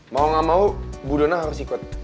mau ga mau bu dona harus ikut